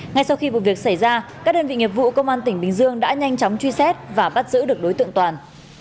ngay sau khi vụ việc xảy ra các đơn vị nghiệp vụ công an tỉnh bình dương đã nhanh chóng truy xét và bắt giữ được đối tượng toàn